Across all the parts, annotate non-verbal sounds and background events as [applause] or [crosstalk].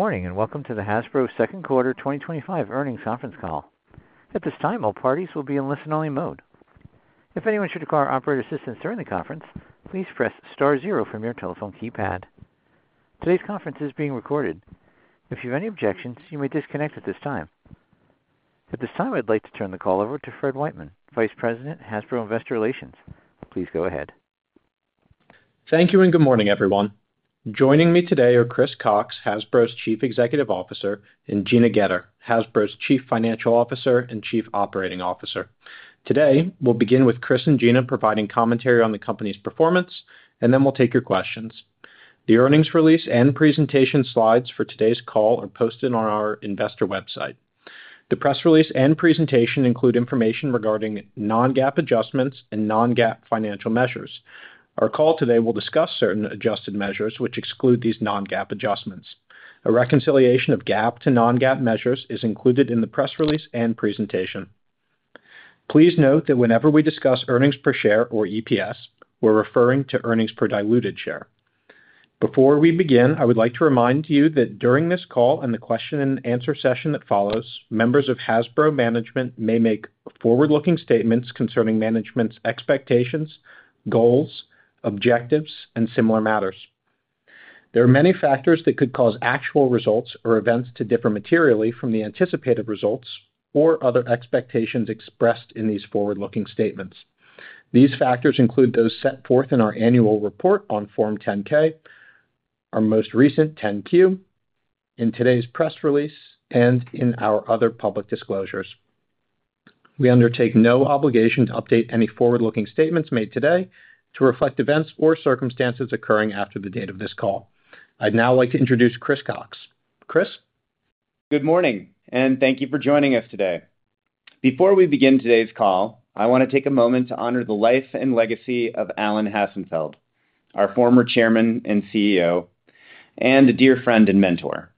Good morning and welcome to the Hasbro Second Quarter 2025 Earnings Conference Call. At this time, all parties will be in listen-only mode. If anyone should require operator assistance during the conference, please press star zero from your telephone keypad. Today's conference is being recorded. If you have any objections, you may disconnect at this time. At this time, I'd like to turn the call over to Fred Wightman, Vice President, Hasbro Investor Relations. Please go ahead. Thank you and good morning, everyone. Joining me today are Chris Cocks, Hasbro's Chief Executive Officer, and Gina Goetter, Hasbro's Chief Financial Officer and Chief Operating Officer. Today, we'll begin with Chris and Gina providing commentary on the company's performance, and then we'll take your questions. The earnings release and presentation slides for today's call are posted on our investor website. The press release and presentation include information regarding non-GAAP adjustments and non-GAAP financial measures. Our call today will discuss certain adjusted measures which exclude these non-GAAP adjustments. A reconciliation of GAAP to non-GAAP measures is included in the press release and presentation. Please note that whenever we discuss earnings per share or EPS, we're referring to earnings per diluted share. Before we begin, I would like to remind you that during this call and the question-and-answer session that follows, members of Hasbro management may make forward-looking statements concerning management's expectations, goals, objectives, and similar matters. There are many factors that could cause actual results or events to differ materially from the anticipated results or other expectations expressed in these forward-looking statements. These factors include those set forth in our annual report on Form 10-K, our most recent 10-Q, in today's press release, and in our other public disclosures. We undertake no obligation to update any forward-looking statements made today to reflect events or circumstances occurring after the date of this call. I'd now like to introduce Chris Cocks. Chris. Good morning, and thank you for joining us today. Before we begin today's call, I want to take a moment to honor the life and legacy of Alan Hassenfeld, our former Chairman and CEO, and a dear friend and mentor.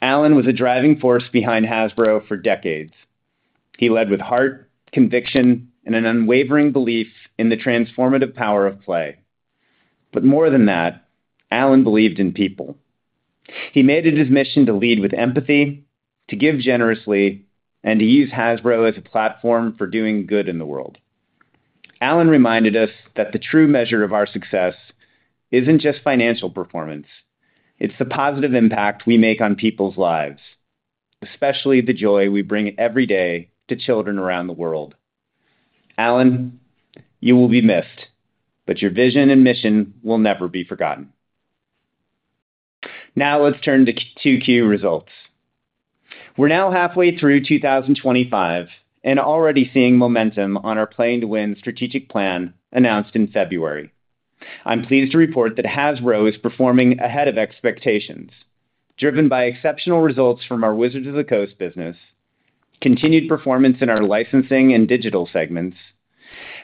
Alan was a driving force behind Hasbro for decades. He led with heart, conviction, and an unwavering belief in the transformative power of play. More than that, Alan believed in people. He made it his mission to lead with empathy, to give generously, and to use Hasbro as a platform for doing good in the world. Alan reminded us that the true measure of our success isn't just financial performance; it's the positive impact we make on people's lives, especially the joy we bring every day to children around the world. Alan, you will be missed, but your vision and mission will never be forgotten. Now, let's turn to 2Q results. We're now halfway through 2025 and already seeing momentum on our Playing to Win strategic plan announced in February. I'm pleased to report that Hasbro is performing ahead of expectations, driven by exceptional results from our Wizards of the Coast business, continued performance in our licensing and digital segments,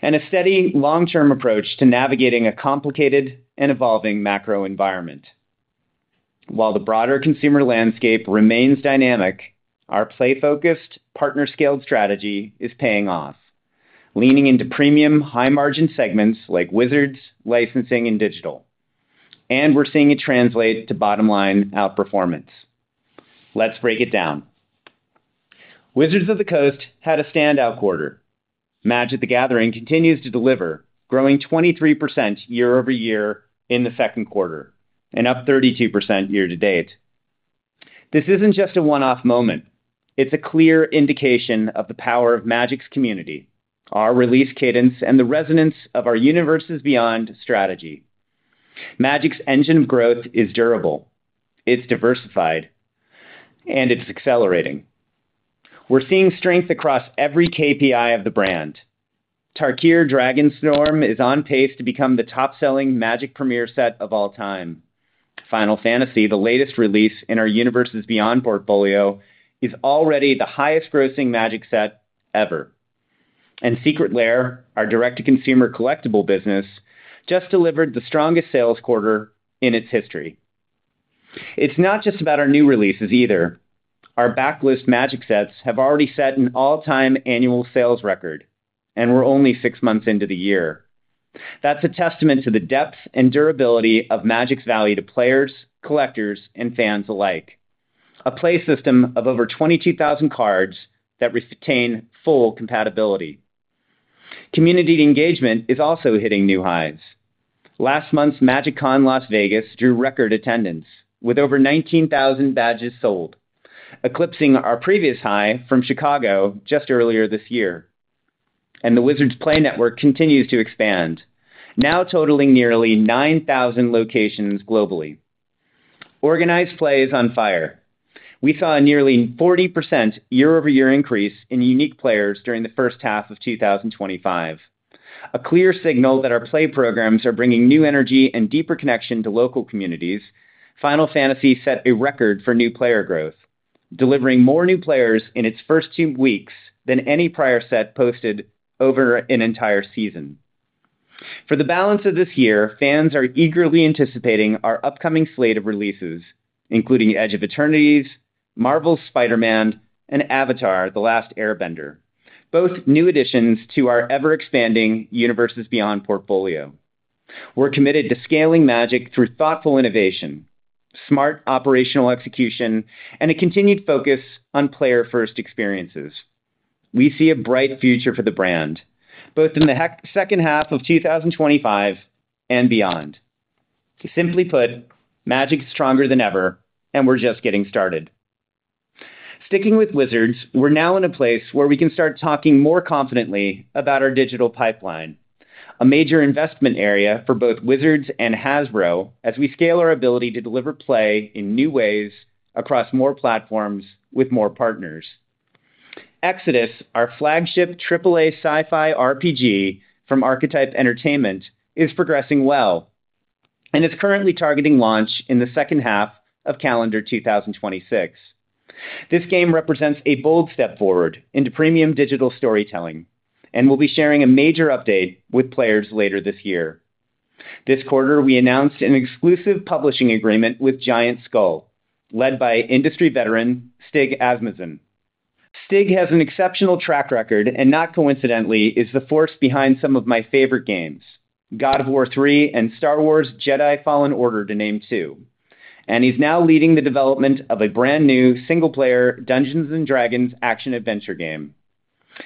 and a steady long-term approach to navigating a complicated and evolving macro environment. While the broader consumer landscape remains dynamic, our play-focused, partner-scaled strategy is paying off, leaning into premium, high-margin segments like Wizards, licensing, and digital. We're seeing it translate to bottom-line outperformance. Let's break it down. Wizards of the Coast had a standout quarter. Magic: The Gathering continues to deliver, growing 23% year-over-year in the second quarter and up 32% year to date. This isn't just a one-off moment; it's a clear indication of the power of Magic's community, our release cadence, and the resonance of our Universes Beyond strategy. Magic's engine of growth is durable, it's diversified, and it's accelerating. We're seeing strength across every KPI of the brand. Tarkir: Dragonstorm is on pace to become the top-selling Magic Premier set of all time. Final Fantasy, the latest release in our Universes Beyond portfolio, is already the highest-grossing Magic set ever. Secret Lair, our direct-to-consumer collectible business, just delivered the strongest sales quarter in its history. It's not just about our new releases either. Our backlist Magic sets have already set an all-time annual sales record, and we're only six months into the year. That's a testament to the depth and durability of Magic's value to players, collectors, and fans alike: a play system of over 22,000 cards that retain full compatibility. Community engagement is also hitting new highs. Last month's Magic Con Las Vegas drew record attendance with over 19,000 badges sold, eclipsing our previous high from Chicago just earlier this year. The Wizards Play Network continues to expand, now totaling nearly 9,000 locations globally. Organized play is on fire. We saw a nearly 40% year-over-year increase in unique players during the first half of 2025. A clear signal that our play programs are bringing new energy and deeper connection to local communities, Final Fantasy set a record for new player growth, delivering more new players in its first two weeks than any prior set posted over an entire season. For the balance of this year, fans are eagerly anticipating our upcoming slate of releases, including Edge of Eternities, Marvel's Spider-Man, and Avatar: The Last Airbender, both new additions to our ever-expanding Universes Beyond portfolio. We're committed to scaling Magic through thoughtful innovation, smart operational execution, and a continued focus on player-first experiences. We see a bright future for the brand, both in the second half of 2025 and beyond. Simply put, Magic is stronger than ever, and we're just getting started. Sticking with Wizards, we're now in a place where we can start talking more confidently about our digital pipeline, a major investment area for both Wizards and Hasbro as we scale our ability to deliver play in new ways across more platforms with more partners. EXODUS, our flagship AAA sci-fi RPG from Archetype Entertainment, is progressing well. It's currently targeting launch in the second half of calendar 2026. This game represents a bold step forward into premium digital storytelling and will be sharing a major update with players later this year. This quarter, we announced an exclusive publishing agreement with Giant Skull, led by industry veteran Stig Asmussen. Stig has an exceptional track record and, not coincidentally, is the force behind some of my favorite games, God of War III and Star Wars Jedi: Fallen Order to name two. He's now leading the development of a brand new single-player Dungeons & Dragons action-adventure game.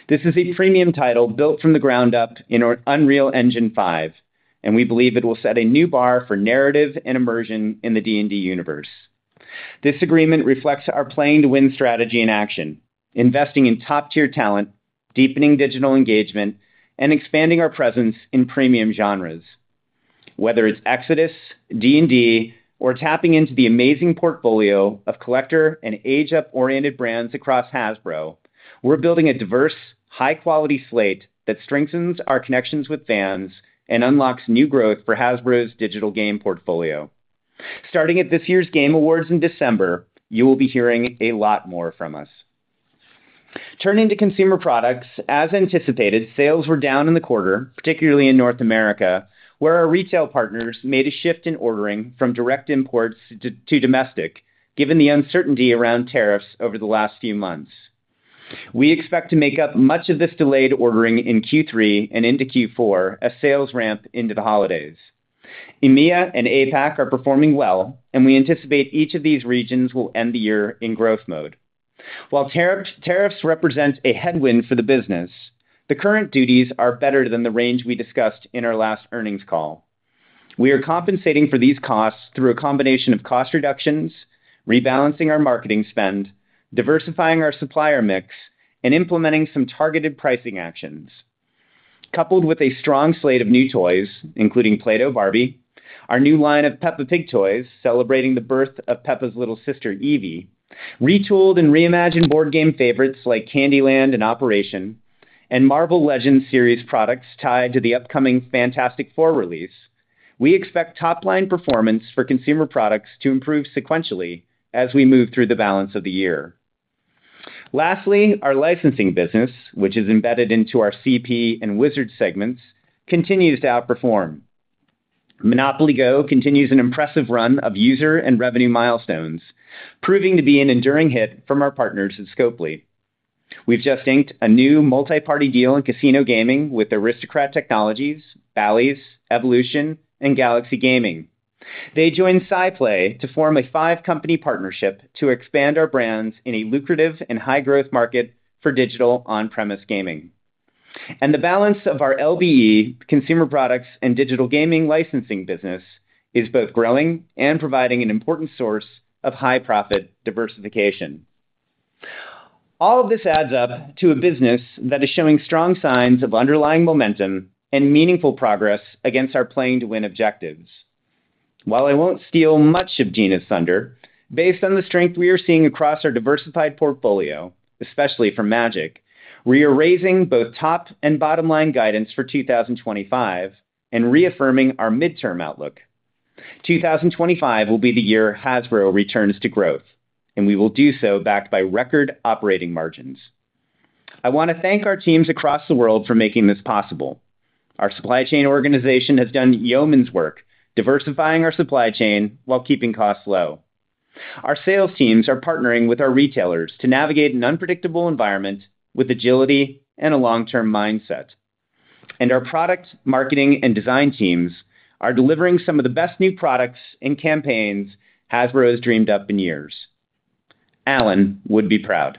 This is a premium title built from the ground up in Unreal Engine 5, and we believe it will set a new bar for narrative and immersion in the D&D universe. This agreement reflects our playing-to-win strategy in action, investing in top-tier talent, deepening digital engagement, and expanding our presence in premium genres. Whether it's EXODUS, D&D, or tapping into the amazing portfolio of collector and age-up-oriented brands across Hasbro, we're building a diverse, high-quality slate that strengthens our connections with fans and unlocks new growth for Hasbro's digital game portfolio. Starting at this year's Game Awards in December, you will be hearing a lot more from us. Turning to consumer products, as anticipated, sales were down in the quarter, particularly in North America, where our retail partners made a shift in ordering from direct imports to domestic, given the uncertainty around tariffs over the last few months. We expect to make up much of this delayed ordering in Q3 and into Q4 as sales ramp into the holidays. EMEA and APAC are performing well, and we anticipate each of these regions will end the year in growth mode. While tariffs represent a headwind for the business, the current duties are better than the range we discussed in our last earnings call. We are compensating for these costs through a combination of cost reductions, rebalancing our marketing spend, diversifying our supplier mix, and implementing some targeted pricing actions. Coupled with a strong slate of new toys, including Play-Doh Barbie, our new line of Peppa Pig toys celebrating the birth of Peppa's little sister Evie, retooled and reimagined board game favorites like Candy Land and Operation, and Marvel Legends series products tied to the upcoming Fantastic Four release, we expect top-line performance for consumer products to improve sequentially as we move through the balance of the year. Lastly, our licensing business, which is embedded into our CP and Wizards segments, continues to outperform. Monopoly GO! continues an impressive run of user and revenue milestones, proving to be an enduring hit from our partners at Scopely. We have just inked a new multi-party deal in casino gaming with Aristocrat Technologies, Bally's, Evolution, and Galaxy Gaming. They joined SciPlay to form a five-company partnership to expand our brands in a lucrative and high-growth market for digital on-premise gaming. The balance of our LBE consumer products and digital gaming licensing business is both growing and providing an important source of high-profit diversification. All of this adds up to a business that is showing strong signs of underlying momentum and meaningful progress against our Playing To Win objectives. While I will not steal much of Gina's thunder, based on the strength we are seeing across our diversified portfolio, especially for Magic, we are raising both top and bottom-line guidance for 2025 and reaffirming our midterm outlook. 2025 will be the year Hasbro returns to growth, and we will do so backed by record operating margins. I want to thank our teams across the world for making this possible. Our supply chain organization has done yeoman's work, diversifying our supply chain while keeping costs low. Our sales teams are partnering with our retailers to navigate an unpredictable environment with agility and a long-term mindset. Our products, marketing, and design teams are delivering some of the best new products and campaigns Hasbro has dreamed up in years. Alan would be proud.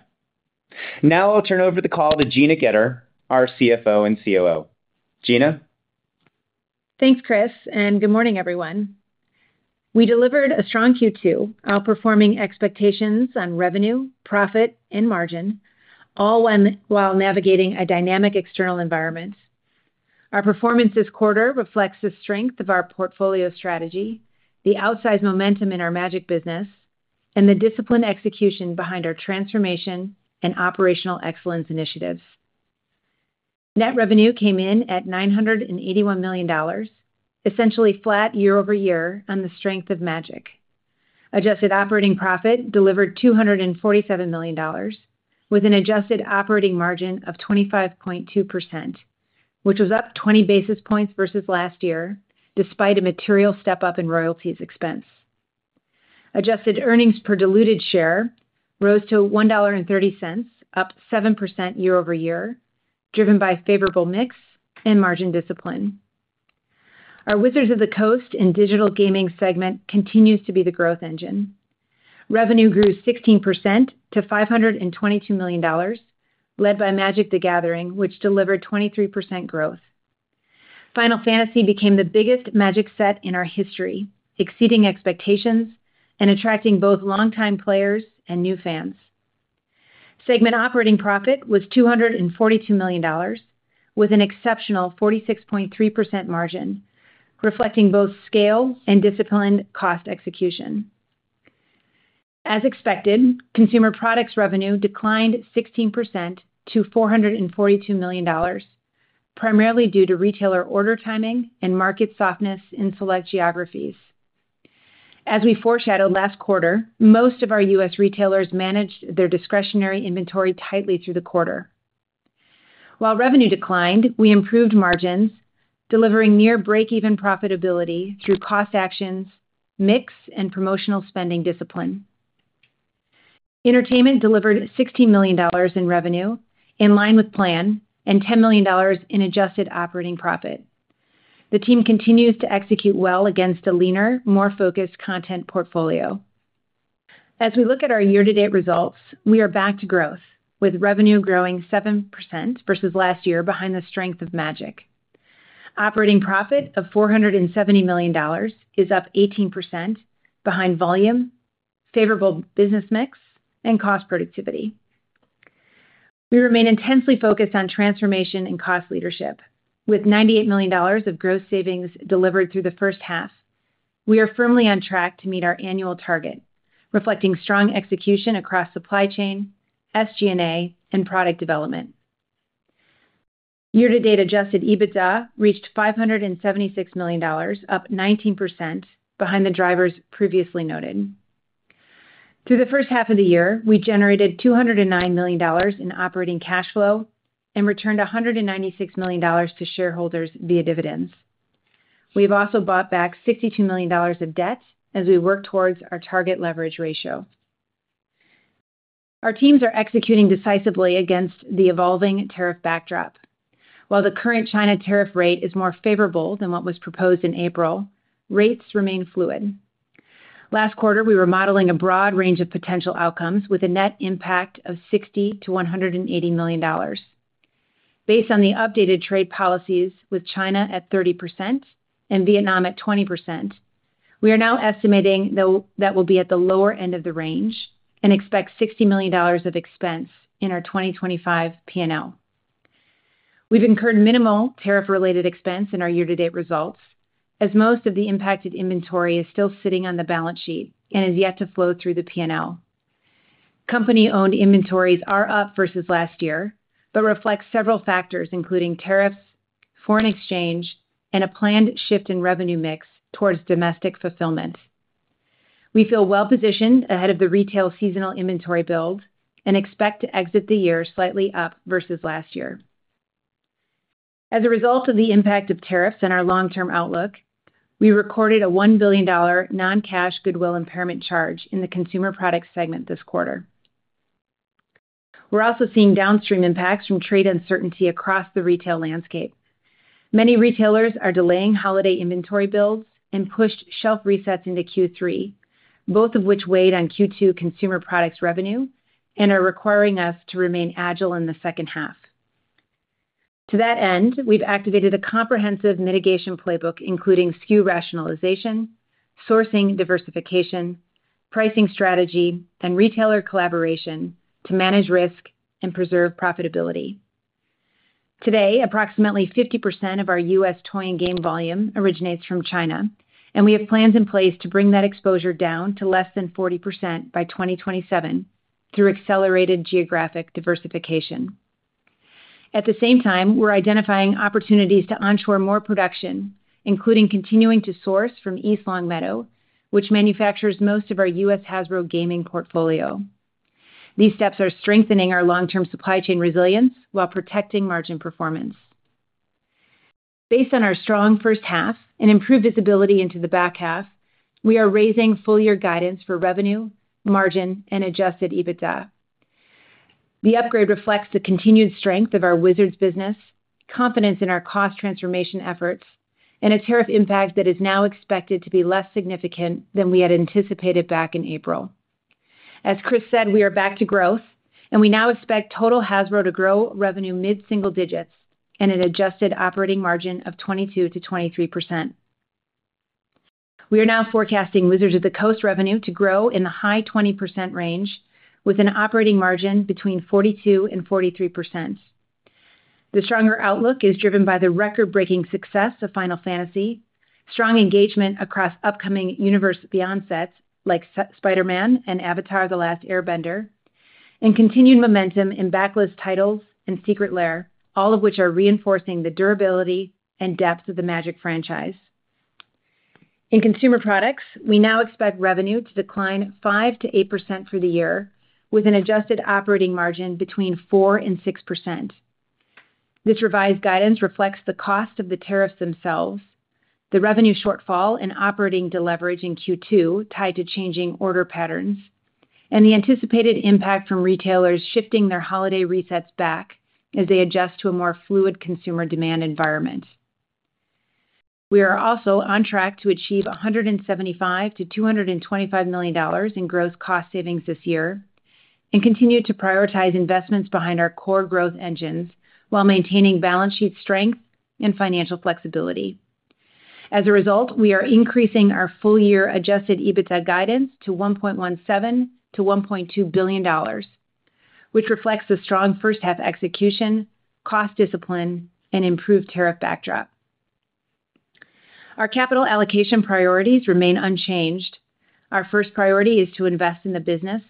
Now I will turn over the call to Gina Goetter, our CFO and COO. Gina. Thanks, Chris, and good morning, everyone. We delivered a strong Q2, outperforming expectations on revenue, profit, and margin, all while navigating a dynamic external environment. Our performance this quarter reflects the strength of our portfolio strategy, the outsized momentum in our Magic business, and the disciplined execution behind our transformation and operational excellence initiatives. Net revenue came in at $981 million, essentially flat year-over-year on the strength of Magic. Adjusted operating profit delivered $247 million, with an adjusted operating margin of 25.2%, which was up 20 basis points versus last year, despite a material step up in royalties expense. Adjusted earnings per diluted share rose to $1.30, up 7% year-over-year, driven by favorable mix and margin discipline. Our Wizards of the Coast and digital gaming segment continues to be the growth engine. Revenue grew 16% to $522 million, led by Magic: The Gathering, which delivered 23% growth. Final Fantasy became the biggest Magic set in our history, exceeding expectations and attracting both long-time players and new fans. Segment operating profit was $242 million, with an exceptional 46.3% margin, reflecting both scale and disciplined cost execution. As expected, consumer products revenue declined 16% to $442 million, primarily due to retailer order timing and market softness in select geographies. As we foreshadowed last quarter, most of our U.S. retailers managed their discretionary inventory tightly through the quarter. While revenue declined, we improved margins, delivering near break-even profitability through cost actions, mix, and promotional spending discipline. Entertainment delivered $16 million in revenue, in line with plan, and $10 million in adjusted operating profit. The team continues to execute well against a leaner, more focused content portfolio. As we look at our year to date results, we are back to growth, with revenue growing 7% versus last year, behind the strength of Magic. Operating profit of $470 million is up 18%, behind volume, favorable business mix, and cost productivity. We remain intensely focused on transformation and cost leadership. With $98 million of gross savings delivered through the first half, we are firmly on track to meet our annual target, reflecting strong execution across supply chain, SG&A, and product development. Year-to-date adjusted EBITDA reached $576 million, up 19%, behind the drivers previously noted. Through the first half of the year, we generated $209 million in operating cash flow and returned $196 million to shareholders via dividends. We have also bought back $62 million of debt as we work towards our target leverage ratio. Our teams are executing decisively against the evolving tariff backdrop. While the current China tariff rate is more favorable than what was proposed in April, rates remain fluid. Last quarter, we were modeling a broad range of potential outcomes with a net impact of $60-$180 million. Based on the updated trade policies with China at 30% and Vietnam at 20%, we are now estimating that we'll be at the lower end of the range and expect $60 million of expense in our 2025 P&L. We've incurred minimal tariff-related expense in our year-to-date results, as most of the impacted inventory is still sitting on the balance sheet and has yet to flow through the P&L. Company-owned inventories are up versus last year but reflect several factors, including tariffs, foreign exchange, and a planned shift in revenue mix towards domestic fulfillment. We feel well-positioned ahead of the retail seasonal inventory build and expect to exit the year slightly up versus last year. As a result of the impact of tariffs and our long-term outlook, we recorded a $1 billion non-cash goodwill impairment charge in the consumer products segment this quarter. We're also seeing downstream impacts from trade uncertainty across the retail landscape. Many retailers are delaying holiday inventory builds and pushed shelf resets into Q3, both of which weighed on Q2 consumer products revenue and are requiring us to remain agile in the second half. To that end, we've activated a comprehensive mitigation playbook, including SKU rationalization, sourcing diversification, pricing strategy, and retailer collaboration to manage risk and preserve profitability. Today, approximately 50% of our U.S. toy and game volume originates from China, and we have plans in place to bring that exposure down to less than 40% by 2027 through accelerated geographic diversification. At the same time, we're identifying opportunities to onshore more production, including continuing to source from East Longmeadow, which manufactures most of our U.S. Hasbro gaming portfolio. These steps are strengthening our long-term supply chain resilience while protecting margin performance. Based on our strong first half and improved visibility into the back half, we are raising full-year guidance for revenue, margin, and adjusted EBITDA. The upgrade reflects the continued strength of our Wizards business, confidence in our cost transformation efforts, and a tariff impact that is now expected to be less significant than we had anticipated back in April. As Chris said, we are back to growth, and we now expect total Hasbro to grow revenue mid-single digits and an adjusted operating margin of 22%-23%. We are now forecasting Wizards of the Coast revenue to grow in the high 20% range, with an operating margin between 42%-43%. The stronger outlook is driven by the record-breaking success of Final Fantasy, strong engagement across upcoming Universes Beyond sets like Spider-Man and Avatar: The Last Airbender, and continued momentum in backlist titles and Secret Lair, all of which are reinforcing the durability and depth of the Magic franchise. In consumer products, we now expect revenue to decline 5%-8% for the year, with an adjusted operating margin between 4%-6%. This revised guidance reflects the cost of the tariffs themselves, the revenue shortfall and operating deleveraging Q2 tied to changing order patterns, and the anticipated impact from retailers shifting their holiday resets back as they adjust to a more fluid consumer demand environment. We are also on track to achieve $175-$225 million in gross cost savings this year and continue to prioritize investments behind our core growth engines while maintaining balance sheet strength and financial flexibility. As a result, we are increasing our full-year adjusted EBITDA guidance to $1.17-$1.2 billion, which reflects the strong first-half execution, cost discipline, and improved tariff backdrop. Our capital allocation priorities remain unchanged. Our first priority is to invest in the business,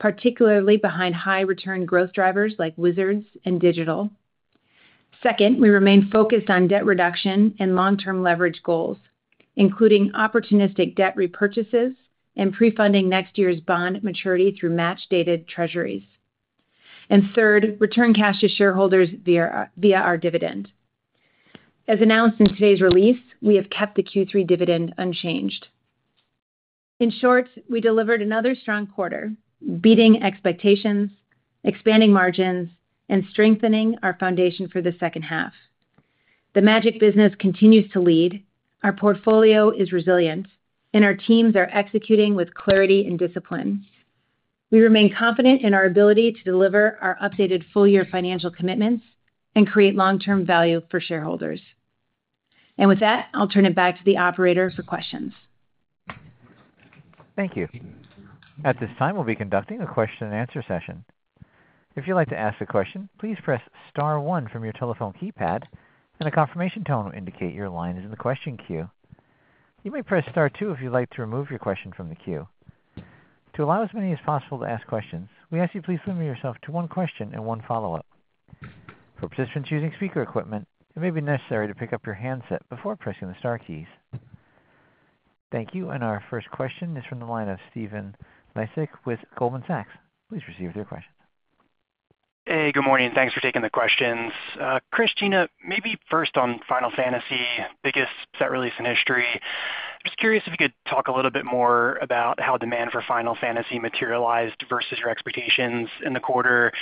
particularly behind high-return growth drivers like Wizards and digital. Second, we remain focused on debt reduction and long-term leverage goals, including opportunistic debt repurchases and pre-funding next year's bond maturity through match-dated treasuries. Third, return cash to shareholders via our dividend. As announced in today's release, we have kept the Q3 dividend unchanged. In short, we delivered another strong quarter, beating expectations, expanding margins, and strengthening our foundation for the second half. The Magic business continues to lead. Our portfolio is resilient, and our teams are executing with clarity and discipline. We remain confident in our ability to deliver our updated full-year financial commitments and create long-term value for shareholders. With that, I'll turn it back to the operator for questions. Thank you. At this time, we'll be conducting a question-and-answer session. If you'd like to ask a question, please press star one from your telephone keypad, and a confirmation tone will indicate your line is in the question queue. You may press star two if you'd like to remove your question from the queue. To allow as many as possible to ask questions, we ask you to please limit yourself to one question and one follow-up. For participants using speaker equipment, it may be necessary to pick up your handset before pressing the star keys. Thank you. Our first question is from the line of Stephen Laszcyzk with Goldman Sachs. Please proceed with your questions. Hey, good morning. Thanks for taking the questions. Chris, Gina, maybe first on Final Fantasy, biggest set release in history. I'm just curious if you could talk a little bit more about how demand for Final Fantasy materialized versus your expectations in the quarter.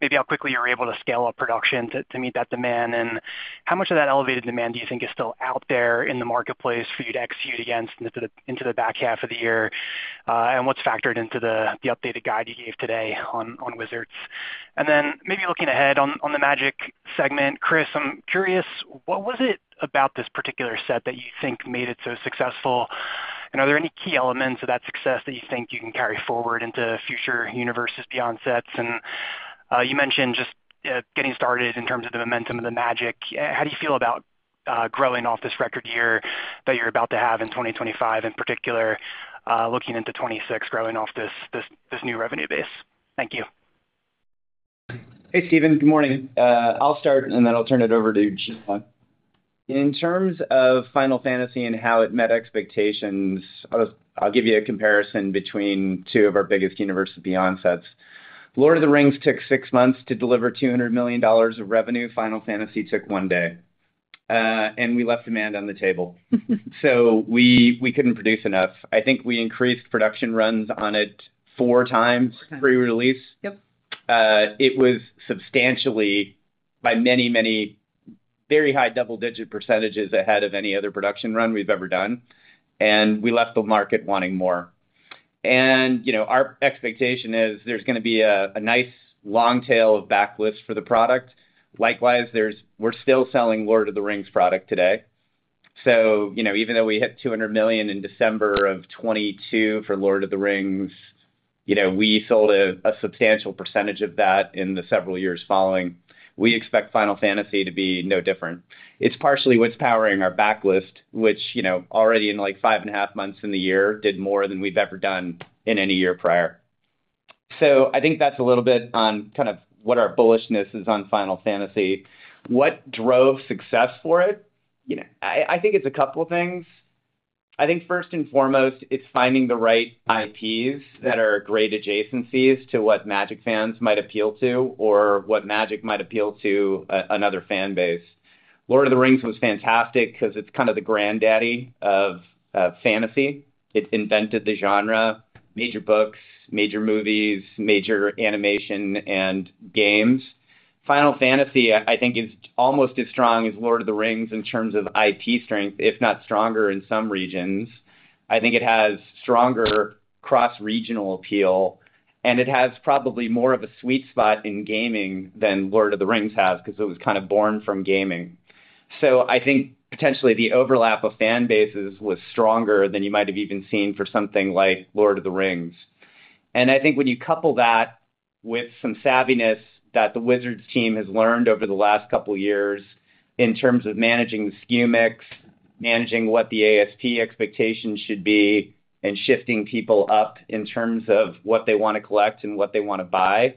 Maybe how quickly you were able to scale up production to meet that demand, and how much of that elevated demand do you think is still out there in the marketplace for you to execute against into the back half of the year, and what's factored into the updated guide you gave today on Wizards? Maybe looking ahead on the Magic segment, Chris, I'm curious, what was it about this particular set that you think made it so successful? Are there any key elements of that success that you think you can carry forward into future Universes Beyond sets? You mentioned just getting started in terms of the momentum of the Magic. How do you feel about growing off this record year that you're about to have in 2025, in particular? Looking into 2026, growing off this new revenue base? Thank you. Hey, Steven, good morning. I'll start, and then I'll turn it over to Gina. In terms of Final Fantasy and how it met expectations, I'll give you a comparison between two of our biggest Universes Beyond sets. Lord of the Rings took six months to deliver $200 million of revenue. Final Fantasy took one day. We left demand on the table. [laughs] We could not produce enough. I think we increased production runs on it four times pre-release. It was substantially, by many, many, very high double-digit percentages ahead of any other production run we have ever done. We left the market wanting more. Our expectation is there is going to be a nice long tail of backlist for the product. Likewise, we are still selling Lord of the Rings product today. Even though we hit $200 million in December of 2022 for Lord of the Rings, we sold a substantial percentage of that in the several years following. We expect Final Fantasy to be no different. It is partially what is powering our backlist, which already in like five and a half months in the year did more than we have ever done in any year prior. I think that is a little bit on kind of what our bullishness is on Final Fantasy. What drove success for it? I think it is a couple of things. I think first and foremost, it is finding the right IPs that are great adjacencies to what Magic fans might appeal to or what Magic might appeal to another fan base. Lord of the Rings was fantastic because it is kind of the granddaddy of fantasy. It invented the genre, major books, major movies, major animation, and games. Final Fantasy, I think, is almost as strong as Lord of the Rings in terms of IP strength, if not stronger in some regions. I think it has stronger cross-regional appeal, and it has probably more of a sweet spot in gaming than Lord of the Rings has because it was kind of born from gaming. I think potentially the overlap of fan bases was stronger than you might have even seen for something like Lord of the Rings. I think when you couple that with some savviness that the Wizards' team has learned over the last couple of years in terms of managing the SKU mix, managing what the ASP expectations should be, and shifting people up in terms of what they want to collect and what they want to buy,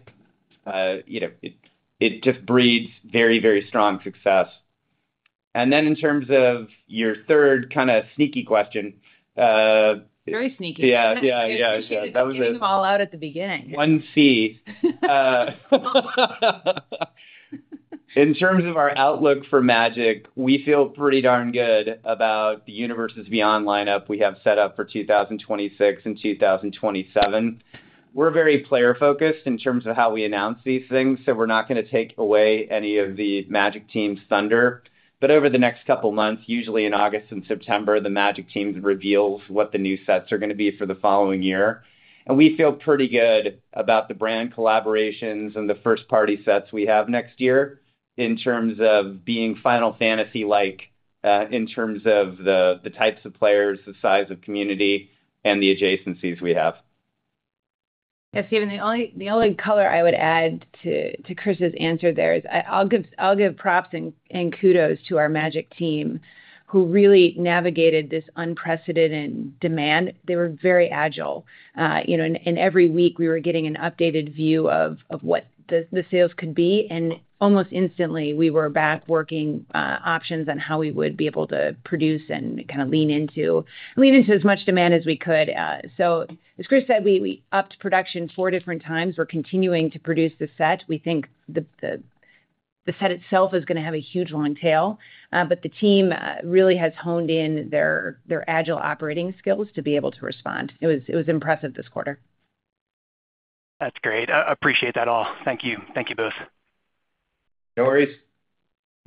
it just breeds very, very strong success. In terms of your third kind of sneaky question. Very sneaky. Yeah, yeah. You came all out at the beginning. [laughs] One C. [laughs] In terms of our outlook for Magic, we feel pretty darn good about the Universes Beyond lineup we have set up for 2026 and 2027. We're very player-focused in terms of how we announce these things, so we're not going to take away any of the Magic team's thunder. Over the next couple of months, usually in August and September, the Magic team reveals what the new sets are going to be for the following year. We feel pretty good about the brand collaborations and the first-party sets we have next year in terms of being Final Fantasy-like in terms of the types of players, the size of community, and the adjacencies we have. Yes, Steven, the only color I would add to Chris's answer there is I'll give props and kudos to our Magic team who really navigated this unprecedented demand. They were very agile. Every week, we were getting an updated view of what the sales could be. Almost instantly, we were back working options on how we would be able to produce and kind of lean into as much demand as we could. As Chris said, we upped production four different times. We're continuing to produce the set. We think the set itself is going to have a huge long tail, but the team really has honed in their agile operating skills to be able to respond. It was impressive this quarter. That's great. Appreciate that all. Thank you. Thank you both. No worries.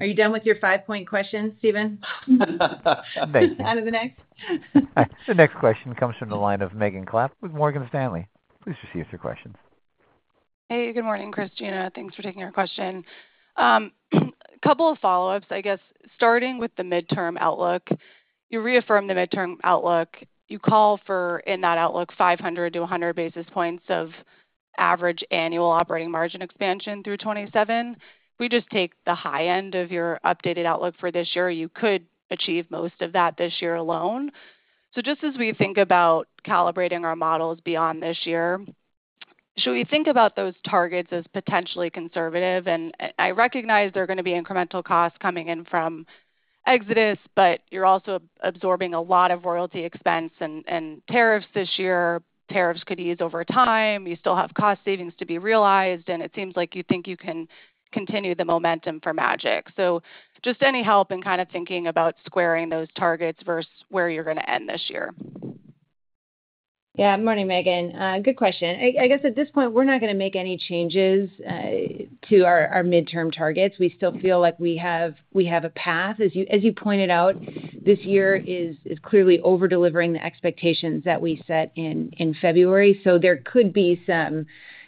Are you done with your five-point question, Steven? [laughs] On to the next? The next question comes from the line of Megan Clapp with Morgan Stanley. Please proceed with your questions. Hey, good morning, Chris, Gina. Thanks for taking our question. A couple of follow-ups, I guess. Starting with the midterm outlook, you reaffirm the midterm outlook. You call for, in that outlook, 500-100 basis points of average annual operating margin expansion through 2027. If we just take the high end of your updated outlook for this year, you could achieve most of that this year alone. Just as we think about calibrating our models beyond this year, should we think about those targets as potentially conservative? I recognize there are going to be incremental costs coming in from EXODUS, but you're also absorbing a lot of royalty expense and tariffs this year. Tariffs could ease over time. You still have cost savings to be realized, and it seems like you think you can continue the momentum for Magic. Any help in kind of thinking about squaring those targets versus where you're going to end this year? Yeah, good morning, Megan. Good question. I guess at this point, we're not going to make any changes to our midterm targets. We still feel like we have a path. As you pointed out, this year is clearly over-delivering the expectations that we set in February. There could be some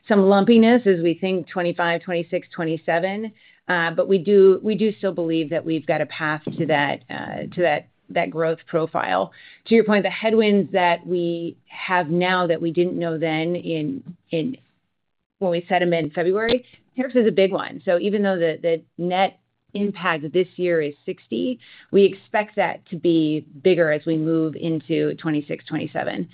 lumpiness as we think 2025, 2026, 2027. We do still believe that we've got a path to that growth profile. To your point, the headwinds that we have now that we didn't know then when we set them in February, tariffs is a big one. Even though the net impact this year is $60, we expect that to be bigger as we move into 2026, 2027.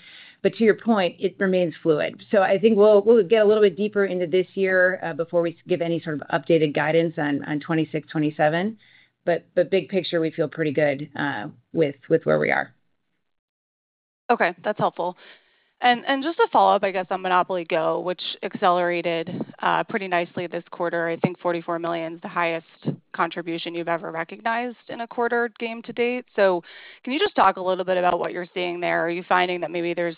To your point, it remains fluid. I think we'll get a little bit deeper into this year before we give any sort of updated guidance on 2026, 2027. Big picture, we feel pretty good with where we are. Okay, that's helpful. Just to follow up, I guess on Monopoly GO!, which accelerated pretty nicely this quarter, I think $44 million is the highest contribution you've ever recognized in a quarter game to date. Can you just talk a little bit about what you're seeing there? Are you finding that maybe there's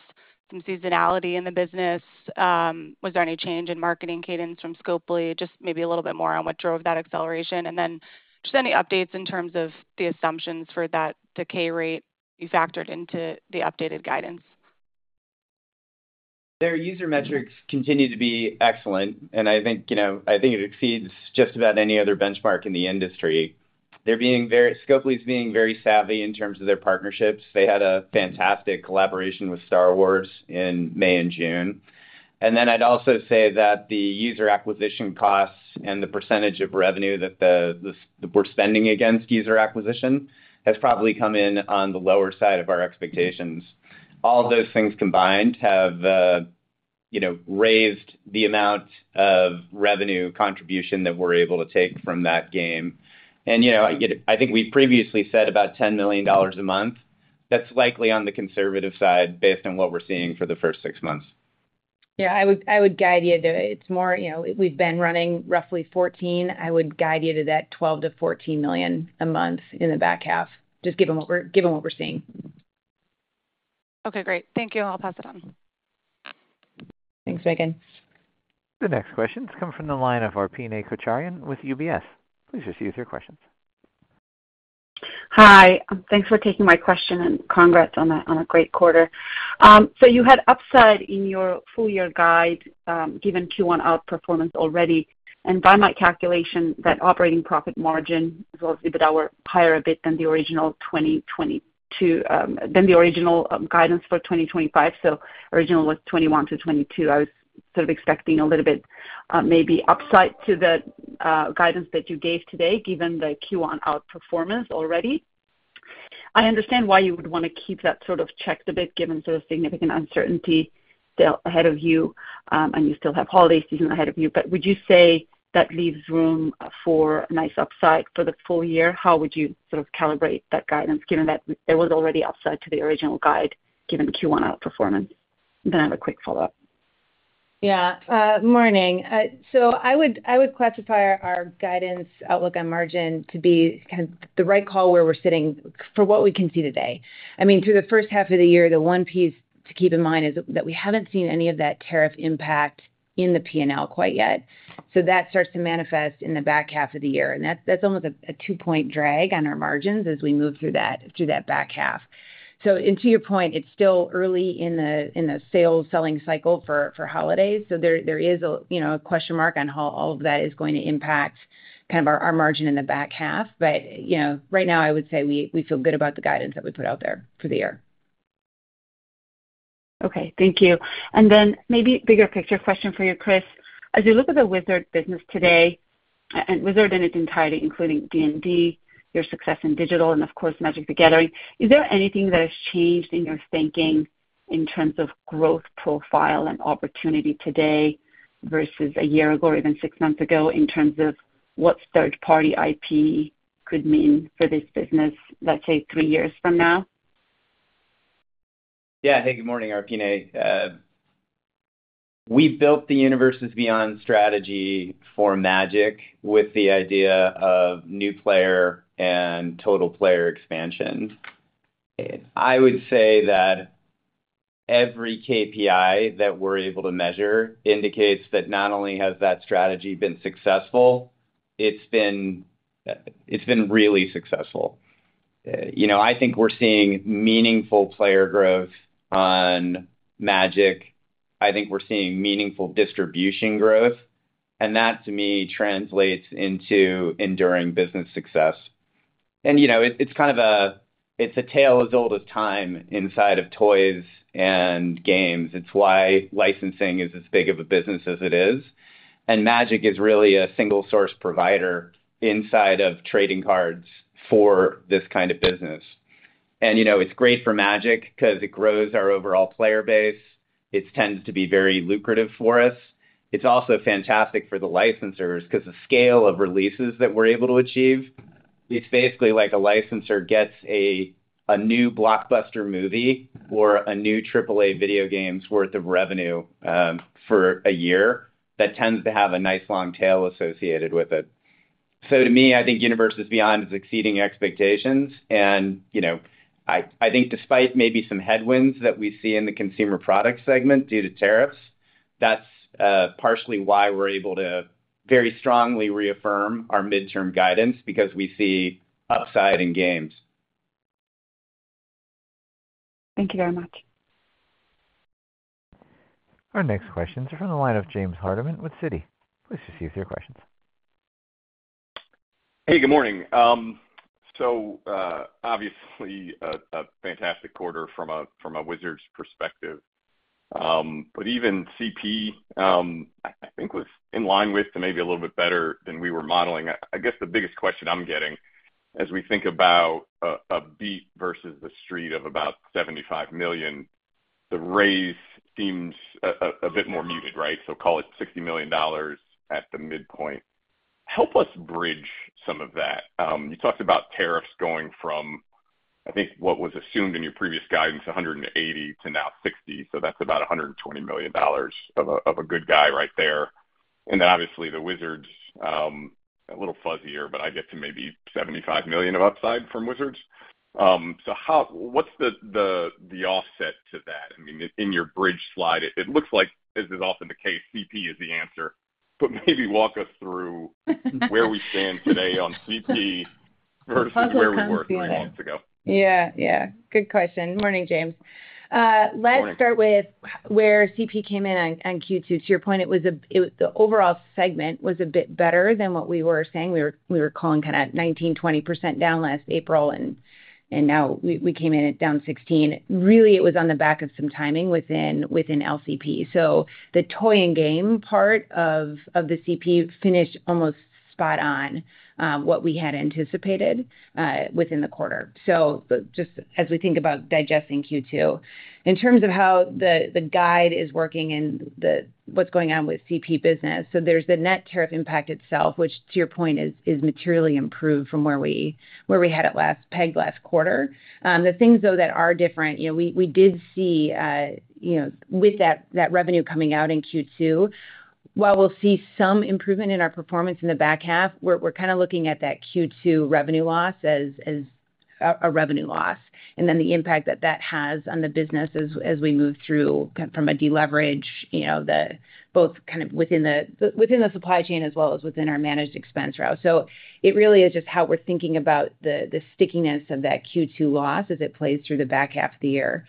some seasonality in the business? Was there any change in marketing cadence from Scopely? Just maybe a little bit more on what drove that acceleration. Then just any updates in terms of the assumptions for that decay rate you factored into the updated guidance? Their user metrics continue to be excellent. I think it exceeds just about any other benchmark in the industry. Scopely is being very savvy in terms of their partnerships. They had a fantastic collaboration with Star Wars in May and June. I'd also say that the user acquisition costs and the percentage of revenue that we're spending against user acquisition has probably come in on the lower side of our expectations. All of those things combined have raised the amount of revenue contribution that we're able to take from that game. I think we previously said about $10 million a month. That's likely on the conservative side based on what we're seeing for the first six months. Yeah, I would guide you to it's more we've been running roughly $14 million. I would guide you to that $12-$14 million a month in the back half, just given what we're seeing. Okay, great. Thank you. I'll pass it on. Thanks, Megan. The next question's come from the line of Arpine Kocharian with UBS. Please proceed with your questions. Hi. Thanks for taking my question and congrats on a great quarter. You had upside in your full-year guide given Q1 outperformance already. By my calculation, that operating profit margin was even higher a bit than the original 2022, than the original guidance for 2025. Original was 2021 to 2022. I was sort of expecting a little bit maybe upside to the guidance that you gave today, given the Q1 outperformance already. I understand why you would want to keep that sort of checked a bit given significant uncertainty ahead of you, and you still have holiday season ahead of you. Would you say that leaves room for nice upside for the full year? How would you sort of calibrate that guidance given that there was already upside to the original guide given Q1 outperformance? I have a quick follow-up. Yeah. Morning. I would classify our guidance outlook on margin to be kind of the right call where we're sitting for what we can see today. I mean, through the first half of the year, the one piece to keep in mind is that we haven't seen any of that tariff impact in the P&L quite yet. That starts to manifest in the back half of the year. That's almost a two-point drag on our margins as we move through that back half. To your point, it's still early in the sales-selling cycle for holidays. There is a question mark on how all of that is going to impact kind of our margin in the back half. Right now, I would say we feel good about the guidance that we put out there for the year. Okay, thank you. Maybe a bigger picture question for you, Chris. As you look at the Wizards business today, and Wizards in its entirety, including D&D, your success in digital, and of course, Magic: The Gathering, is there anything that has changed in your thinking in terms of growth profile and opportunity today versus a year ago or even six months ago in terms of what third-party IP could mean for this business, let's say, three years from now? Yeah, hey, good morning, Arpine. We built the Universes Beyond strategy for Magic with the idea of new player and total player expansion. I would say that every KPI that we're able to measure indicates that not only has that strategy been successful, it's been really successful. I think we're seeing meaningful player growth on Magic. I think we're seeing meaningful distribution growth. That, to me, translates into enduring business success. It's kind of a tale as old as time inside of toys and games. It's why licensing is as big of a business as it is. Magic is really a single-source provider inside of trading cards for this kind of business. It's great for Magic because it grows our overall player base. It tends to be very lucrative for us. It's also fantastic for the licensors because the scale of releases that we're able to achieve is basically like a licensor gets a new blockbuster movie or a new AAA video game's worth of revenue for a year that tends to have a nice long tail associated with it. To me, I think Universes Beyond is exceeding expectations. I think despite maybe some headwinds that we see in the consumer product segment due to tariffs, that's partially why we're able to very strongly reaffirm our midterm guidance because we see upside in games. Thank you very much. Our next questions are from the line of James Hardiman with Citi. Please proceed with your questions. Hey, good morning. Obviously, a fantastic quarter from a Wizards perspective. Even CP, I think, was in line with and maybe a little bit better than we were modeling. I guess the biggest question I'm getting as we think about a beat versus the street of about $75 million, the raise seems a bit more muted, right? Call it $60 million at the midpoint. Help us bridge some of that. You talked about tariffs going from what was assumed in your previous guidance, $180 million to now $60 million. That is about $120 million of a good guy right there. Obviously, the Wizards, a little fuzzier, but I get to maybe $75 million of upside from Wizards. What is the offset to that? I mean, in your bridge slide, it looks like, as is often the case, CP is the answer. Maybe walk us through [laughs] where we stand today on CP versus where we were a few months ago. Yeah, yeah. Good question. Morning, James. Let's start with where CP came in on Q2. To your point, the overall segment was a bit better than what we were saying. We were calling kind of 19%-20% down last April, and now we came in at down 16%. Really, it was on the back of some timing within LCP. So the toy and game part of the CP finished almost spot on what we had anticipated within the quarter. Just as we think about digesting Q2, in terms of how the guide is working and what's going on with CP business, there's the net tariff impact itself, which to your point is materially improved from where we had it last pegged last quarter. The things, though, that are different, we did see with that revenue coming out in Q2, while we'll see some improvement in our performance in the back half, we're kind of looking at that Q2 revenue loss as a revenue loss. And then the impact that that has on the business as we move through from a deleverage, both kind of within the supply chain as well as within our managed expense route. It really is just how we're thinking about the stickiness of that Q2 loss as it plays through the back half of the year.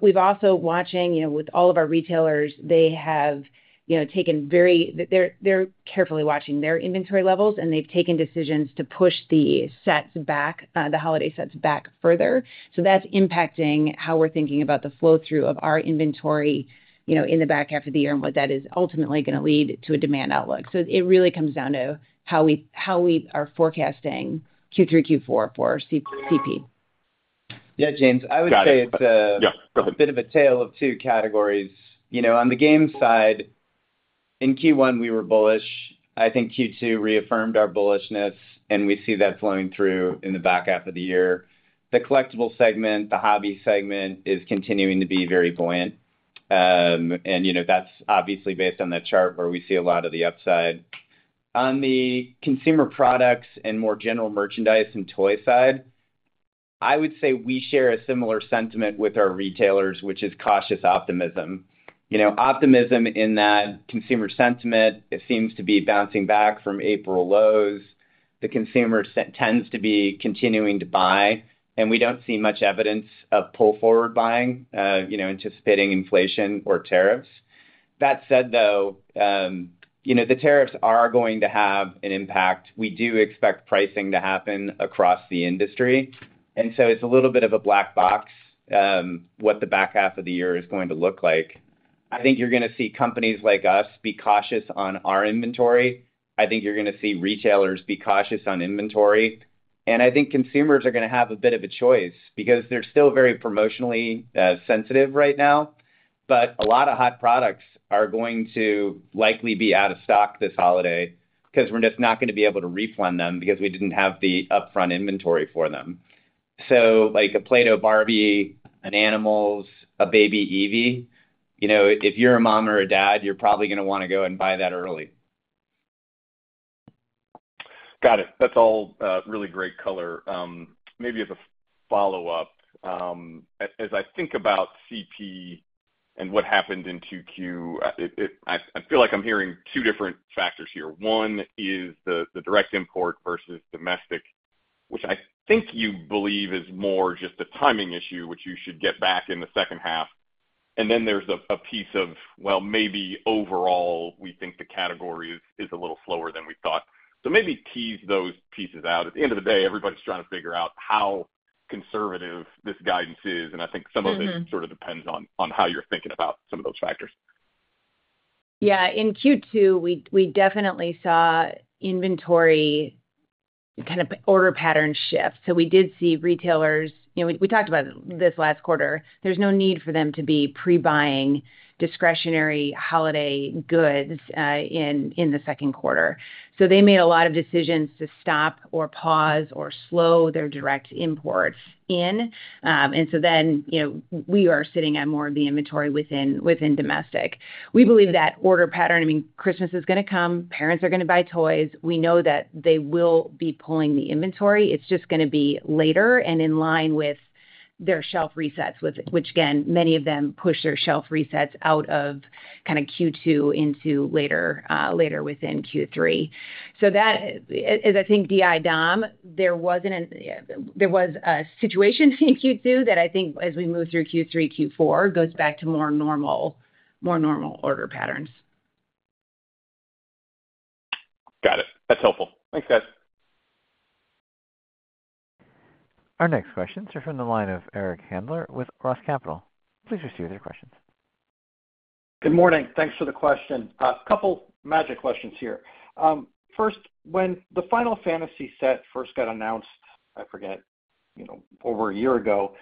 We've also been watching with all of our retailers. They have taken very—they're carefully watching their inventory levels, and they've taken decisions to push the sets back, the holiday sets back further. That's impacting how we're thinking about the flow-through of our inventory in the back half of the year and what that is ultimately going to lead to a demand outlook. It really comes down to how we are forecasting Q3, Q4 for CP. Yeah, James, [crosstalk] I would say it's a bit of a tale of two categories. On the game side, in Q1, we were bullish. I think Q2 reaffirmed our bullishness, and we see that flowing through in the back half of the year. The collectible segment, the hobby segment is continuing to be very buoyant. And that's obviously based on that chart where we see a lot of the upside. On the consumer products and more general merchandise and toy side, I would say we share a similar sentiment with our retailers, which is cautious optimism. Optimism in that consumer sentiment, it seems to be bouncing back from April lows. The consumer tends to be continuing to buy, and we don't see much evidence of pull-forward buying, anticipating inflation or tariffs. That said, though. The tariffs are going to have an impact. We do expect pricing to happen across the industry. And so it's a little bit of a black box. What the back half of the year is going to look like. I think you're going to see companies like us be cautious on our inventory. I think you're going to see retailers be cautious on inventory. I think consumers are going to have a bit of a choice because they're still very promotionally sensitive right now. A lot of hot products are going to likely be out of stock this holiday because we're just not going to be able to refund them because we didn't have the upfront inventory for them. Like a Play-Doh Barbie, an animals, a baby Evie, if you're a mom or a dad, you're probably going to want to go and buy that early. Got it. That's all really great color. Maybe as a follow-up. As I think about CP and what happened in 2Q. I feel like I'm hearing two different factors here. One is the direct import versus domestic, which I think you believe is more just a timing issue, which you should get back in the second half. And then there's a piece of, well, maybe overall, we think the category is a little slower than we thought. So maybe tease those pieces out. At the end of the day, everybody's trying to figure out how. Conservative this guidance is. And I think some of it sort of depends on how you're thinking about some of those factors. Yeah. In Q2, we definitely saw inventory. Kind of order pattern shift. We did see retailers—we talked about this last quarter—there's no need for them to be pre-buying discretionary holiday goods in the second quarter. They made a lot of decisions to stop or pause or slow their direct imports in. We are sitting on more of the inventory within domestic. We believe that order pattern, I mean, Christmas is going to come. Parents are going to buy toys. We know that they will be pulling the inventory. It's just going to be later and in line with their shelf resets, which again, many of them push their shelf resets out of kind of Q2 into later within Q3. As I think DI DOM, there was a situation in Q2 that I think as we move through Q3, Q4 goes back to more normal order patterns. Got it. That's helpful. Thanks, guys. Our next questions are from the line of Eric Handler with Roth Capital. Please proceed with your questions. Good morning. Thanks for the question. A couple of Magic questions here. First, when the Final Fantasy set first got announced, I forget. Over a year ago,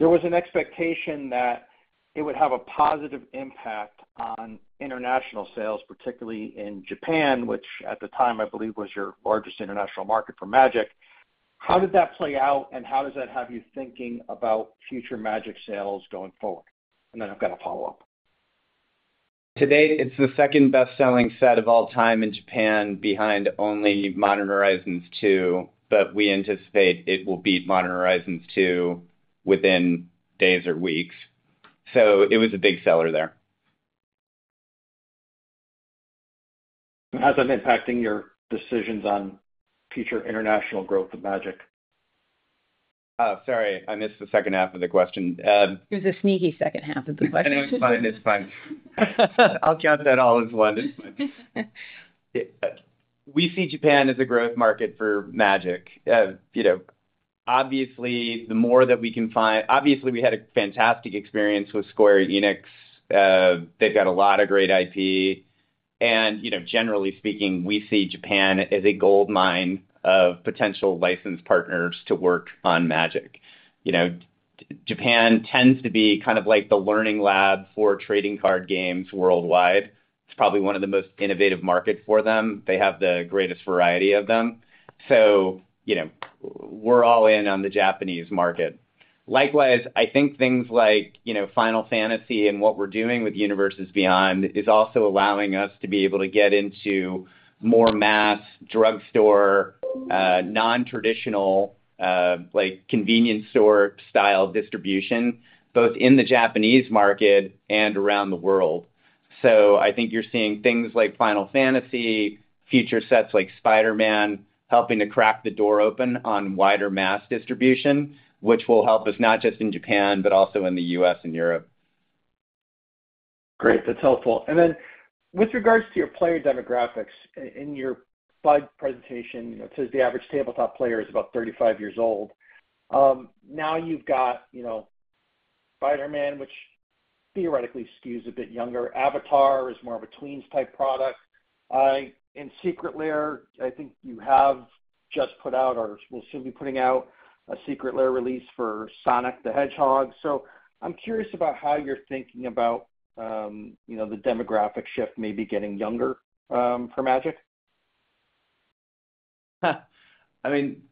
there was an expectation that it would have a positive impact on international sales, particularly in Japan, which at the time, I believe, was your largest international market for Magic. How did that play out, and how does that have you thinking about future Magic sales going forward? I have a follow-up. Today, it's the second best-selling set of all time in Japan, behind only Modern Horizons 2, but we anticipate it will beat Modern Horizons 2 within days or weeks. It was a big seller there. How's that impacting your decisions on future international growth of Magic? Oh, sorry. I missed the second half of the question. It was a sneaky second half of the question. It's fine. It's fine. I'll jot that all as one. It's fine. We see Japan as a growth market for Magic. Obviously, the more that we can find—obviously, we had a fantastic experience with SQUARE ENIX. They've got a lot of great IP. Generally speaking, we see Japan as a gold mine of potential license partners to work on Magic. Japan tends to be kind of like the learning lab for trading card games worldwide. It's probably one of the most innovative markets for them. They have the greatest variety of them. We're all in on the Japanese market. Likewise, I think things like Final Fantasy and what we're doing with Universes Beyond is also allowing us to be able to get into more mass drugstore, non-traditional, convenience store style distribution, both in the Japanese market and around the world. I think you're seeing things like Final Fantasy, future sets like Spider-Man helping to crack the door open on wider mass distribution, which will help us not just in Japan, but also in the U.S. and Europe. Great. That's helpful. With regards to your player demographics, in your slide presentation, it says the average tabletop player is about 35 years old. Now you have Spider-Man, which theoretically skews a bit younger. Avatar is more of a tweens-type product. In Secret Lair, I think you have just put out or will soon be putting out a Secret Lair release for Sonic the Hedgehog. I'm curious about how you're thinking about the demographic shift, maybe getting younger for Magic. I mean.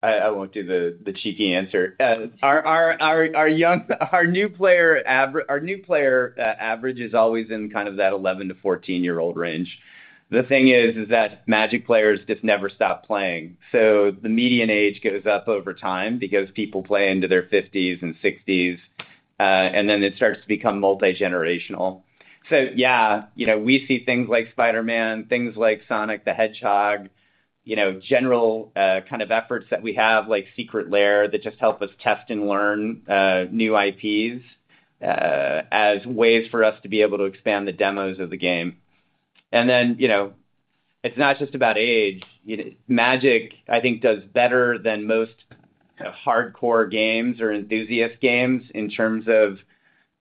I won't do the cheeky answer. Our new player average is always in kind of that 11-14 year-old range. The thing is that Magic players just never stop playing. So the median age goes up over time because people play into their 50s and 60s. It starts to become multi-generational. Yeah, we see things like Spider-Man, things like Sonic the Hedgehog. General kind of efforts that we have like Secret Lair that just help us test and learn new IPs as ways for us to be able to expand the demos of the game. It's not just about age. Magic, I think, does better than most hardcore games or enthusiast games in terms of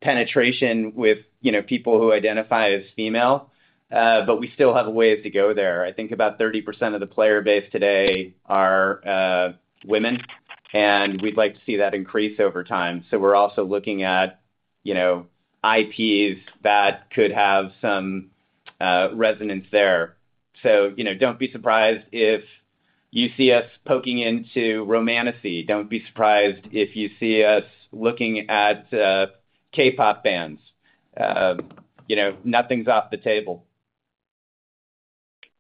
penetration with people who identify as female. We still have a ways to go there. I think about 30% of the player base today are women, and we'd like to see that increase over time. We're also looking at IPs that could have some resonance there. Don't be surprised if you see us poking into Romantasy. Don't be surprised if you see us looking at K-pop bands. Nothing's off the table.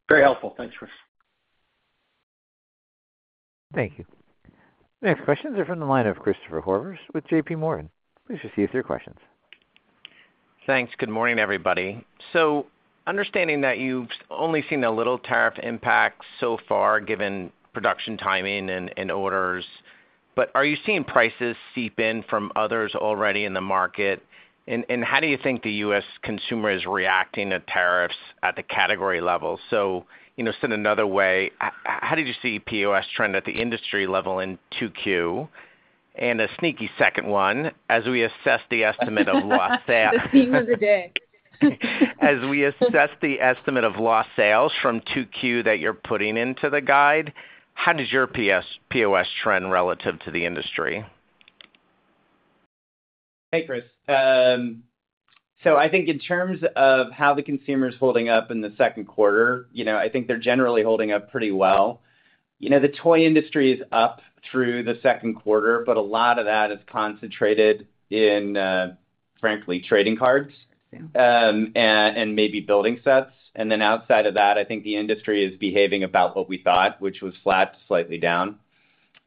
Very helpful. Thanks, Chris. Thank you. Next questions are from the line of Christopher Horvers with JPMorgan. Please proceed with your questions. Thanks. Good morning, everybody. Understanding that you've only seen a little tariff impact so far given production timing and orders, are you seeing prices seep in from others already in the market? How do you think the U.S. consumer is reacting to tariffs at the category level? Said another way, how did you see POS trend at the industry level in 2Q? A sneaky second one, as we assess the estimate of lost sales. [laughs] The theme of the day. As we assess the estimate of lost sales from 2Q that you're putting into the guide, how does your POS trend relative to the industry? Hey, Chris. So I think in terms of how the consumer is holding up in the second quarter, I think they're generally holding up pretty well. The toy industry is up through the second quarter, but a lot of that is concentrated in, frankly, trading cards and maybe building sets. Outside of that, I think the industry is behaving about what we thought, which was flat, slightly down.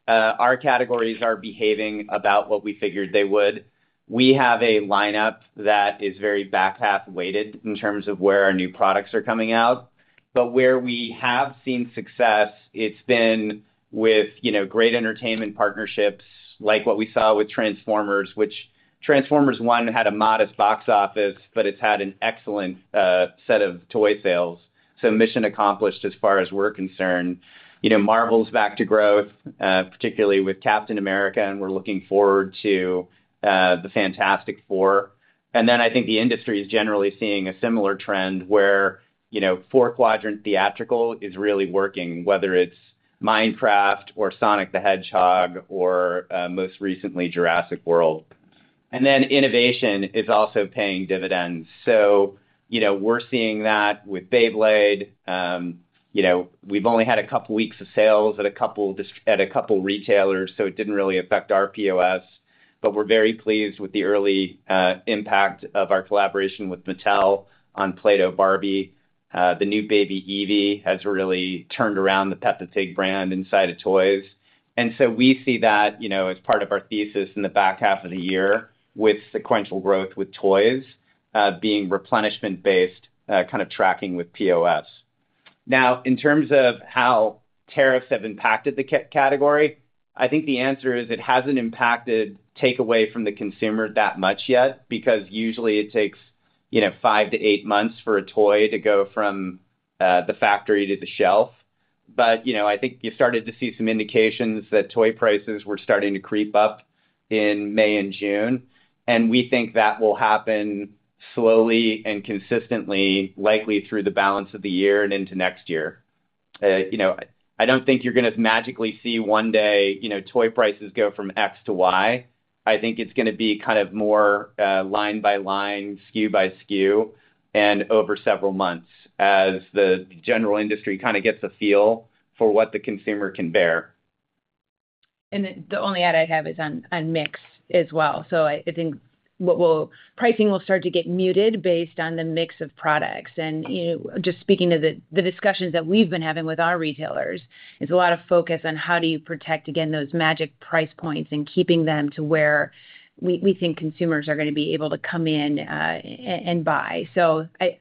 Our categories are behaving about what we figured they would. We have a lineup that is very back half-weighted in terms of where our new products are coming out. Where we have seen success, it's been with great entertainment partnerships like what we saw with Transformers, which Transformers 1 had a modest box office, but it's had an excellent set of toy sales. Mission accomplished as far as we're concerned. Marvel's back to growth, particularly with Captain America, and we're looking forward to the Fantastic Four. I think the industry is generally seeing a similar trend where four-quadrant theatrical is really working, whether it's Minecraft or Sonic the Hedgehog or most recently Jurassic World. Innovation is also paying dividends. We're seeing that with Beyblade. We've only had a couple of weeks of sales at a couple of retailers, so it didn't really affect our POS. We're very pleased with the early impact of our collaboration with Mattel on Play-Doh Barbie. The new baby Evie has really turned around the Peppa Pig brand inside of toys. We see that as part of our thesis in the back half of the year with sequential growth with toys being replenishment-based, kind of tracking with POS. Now, in terms of how tariffs have impacted the category, I think the answer is it hasn't impacted takeaway from the consumer that much yet because usually it takes five to eight months for a toy to go from the factory to the shelf. I think you started to see some indications that toy prices were starting to creep up in May and June. We think that will happen slowly and consistently, likely through the balance of the year and into next year. I don't think you're going to magically see one day toy prices go from X to Y. I think it's going to be kind of more line by line, SKU by SKU, and over several months as the general industry kind of gets a feel for what the consumer can bear. The only add I have is on mix as well. I think pricing will start to get muted based on the mix of products. Just speaking to the discussions that we've been having with our retailers, there's a lot of focus on how do you protect, again, those Magic price points and keeping them to where we think consumers are going to be able to come in and buy.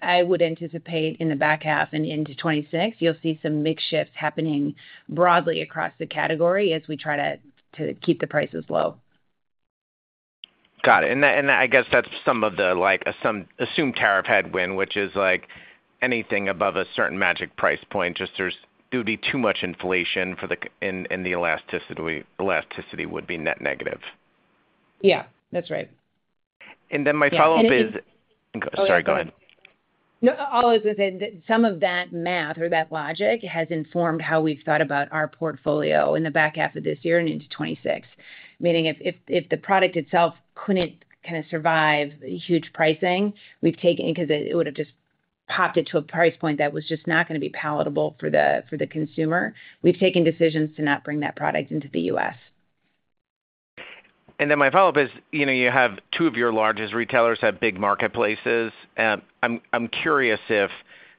I would anticipate in the back half and into 2026, you'll see some mixed shifts happening broadly across the category as we try to keep the prices low. Got it. I guess that's some of the assumed tariff headwind, which is like anything above a certain Magic price point. There would be too much inflation and the elasticity would be net negative. Yeah. That's right. My follow-up is—sorry, go ahead. No, I was going to say that some of that math or that logic has informed how we've thought about our portfolio in the back half of this year and into 2026. Meaning if the product itself could not kind of survive huge pricing, we've taken—because it would have just popped it to a price point that was just not going to be palatable for the consumer—we've taken decisions to not bring that product into the U.S. My follow-up is you have two of your largest retailers have big marketplaces. I'm curious if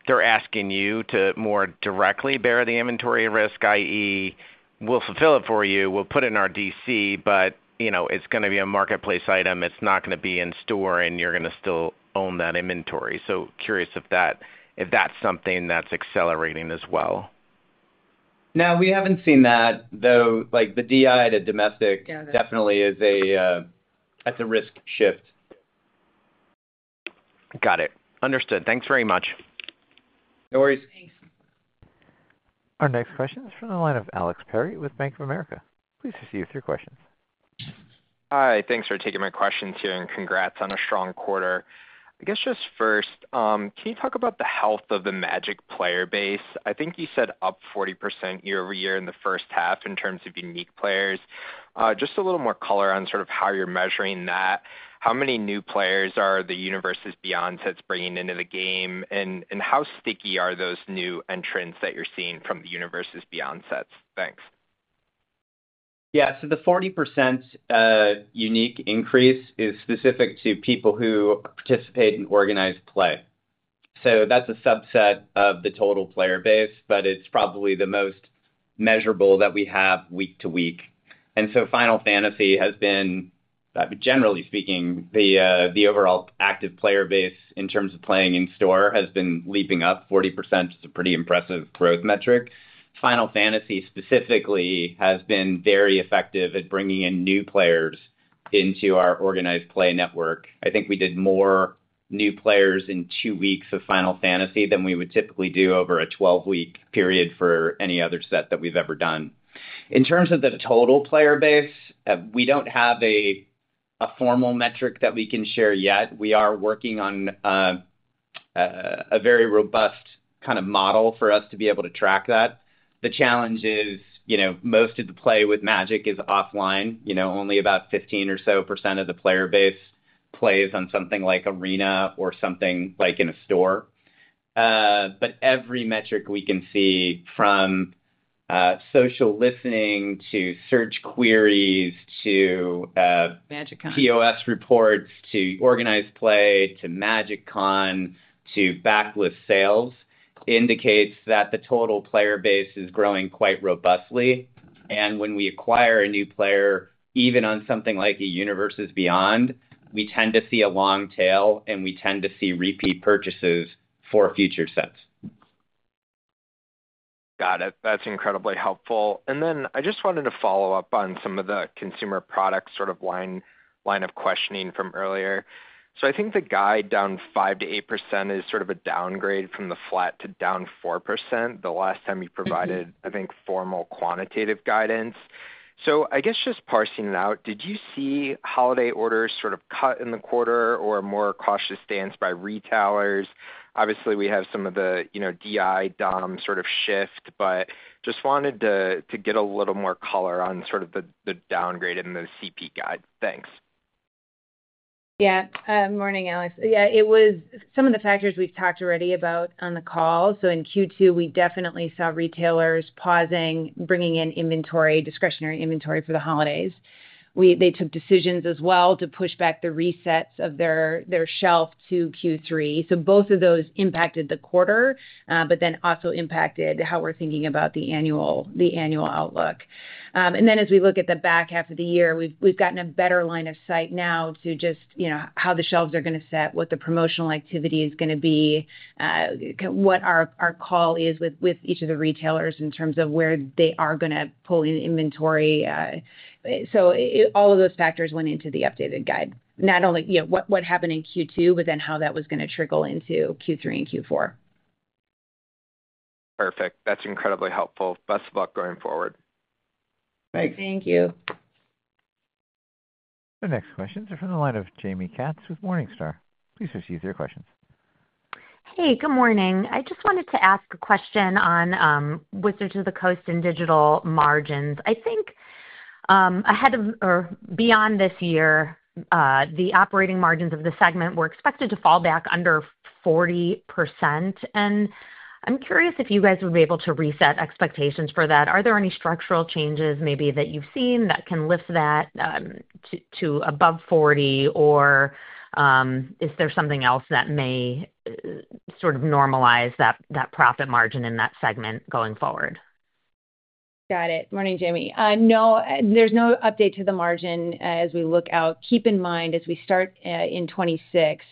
they're asking you to more directly bear the inventory risk, i.e., we'll fulfill it for you, we'll put it in our DC, but it's going to be a marketplace item, it's not going to be in store, and you're going to still own that inventory. Curious if that's something that's accelerating as well. No, we haven't seen that, though the DI to domestic definitely is a—that's a risk shift. Got it. Understood. Thanks very much. No worries. Thanks. Our next question is from the line of Alex Perry with Bank of America. Please proceed with your questions. Hi. Thanks for taking my questions here and congrats on a strong quarter. I guess just first, can you talk about the health of the Magic player base? I think you said up 40% year-over-year in the first half in terms of unique players. Just a little more color on sort of how you're measuring that. How many new players are the Universes Beyond sets bringing into the game, and how sticky are those new entrants that you're seeing from the Universes Beyond sets? Thanks. Yeah. The 40% unique increase is specific to people who participate in organized play. That is a subset of the total player base, but it is probably the most measurable that we have week to week. Final Fantasy has been, generally speaking, the overall active player base in terms of playing in store has been leaping up 40%. It is a pretty impressive growth metric. Final Fantasy specifically has been very effective at bringing in new players into our organized play network. I think we did more new players in two weeks of Final Fantasy than we would typically do over a 12-week period for any other set that we have ever done. In terms of the total player base, we do not have a formal metric that we can share yet. We are working on a very robust kind of model for us to be able to track that. The challenge is most of the play with Magic is offline. Only about 15% or so of the player base plays on something like Arena or something like in a store. Every metric we can see from social listening to search queries to. Magic Con. POS reports to organized play to Magic Con to backlist sales indicates that the total player base is growing quite robustly. When we acquire a new player, even on something like a Universes Beyond, we tend to see a long tail and we tend to see repeat purchases for future sets. Got it. That's incredibly helpful. I just wanted to follow up on some of the consumer product sort of line of questioning from earlier. I think the guide down 5-8% is sort of a downgrade from the flat to down 4% the last time you provided, I think, formal quantitative guidance. I guess just parsing it out, did you see holiday orders sort of cut in the quarter or a more cautious stance by retailers? Obviously, we have some of the DI, DOM sort of shift, but just wanted to get a little more color on the downgrade in the CP guide. Thanks. Yeah. Morning, Alex. Yeah. It was some of the factors we've talked already about on the call. In Q2, we definitely saw retailers pausing, bringing in inventory, discretionary inventory for the holidays. They took decisions as well to push back the resets of their shelf to Q3. Both of those impacted the quarter, but then also impacted how we're thinking about the annual outlook. As we look at the back half of the year, we've gotten a better line of sight now to just how the shelves are going to set, what the promotional activity is going to be, what our call is with each of the retailers in terms of where they are going to pull in inventory. All of those factors went into the updated guide. Not only what happened in Q2, but then how that was going to trickle into Q3 and Q4. Perfect. That's incredibly helpful. Best of luck going forward. Thanks. Thank you. The next questions are from the line of Jaime Katz with Morningstar. Please proceed with your questions. Hey, good morning. I just wanted to ask a question on Wizards of the Coast and digital margins. I think ahead of or beyond this year, the operating margins of the segment were expected to fall back under 40%. I'm curious if you guys would be able to reset expectations for that. Are there any structural changes maybe that you've seen that can lift that to above 40%, or is there something else that may sort of normalize that profit margin in that segment going forward? Got it. Morning, Jamie. No, there's no update to the margin as we look out. Keep in mind as we start in 2026,